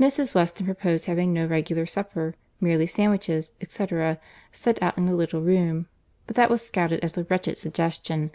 Mrs. Weston proposed having no regular supper; merely sandwiches, &c., set out in the little room; but that was scouted as a wretched suggestion.